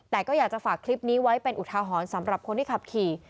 แต่ก็อยากจะฝากคลิปนี้ไว้เป็นอุทาหรณ์สำหรับคนที่ขับขี่